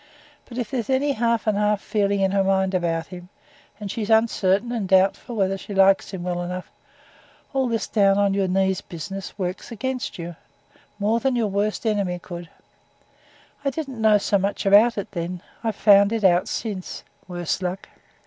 But if there's any half and half feeling in her mind about him, and she's uncertain and doubtful whether she likes him well enough, all this down on your knees business works against you, more than your worst enemy could do. I didn't know so much about it then. I've found it out since, worse luck.